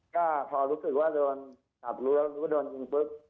อเจมส์พอรู้สึกว่าร้อนจากรั้วแล้วก็รู้สึกว่าโดนอิงปึ๊บ